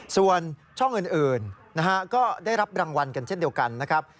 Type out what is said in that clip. ส่วนช่องอื่นนะฮะก็ได้รับรางวัลกันเช่นเดียวกันนะครับ